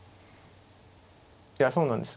いやそうなんです。